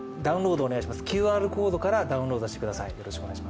ＱＲコードからダウンロードしてください。